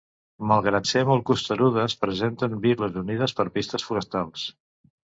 Malgrat ser molt costerudes presenten viles unides per pistes forestals.